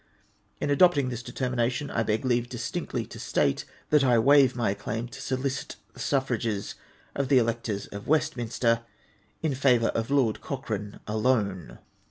In adopting' this determination, I beg leave distinctly to state, that I waive my claim to solicit the suffrages of the electors of Westminster in favour of Lord Cochrane alone.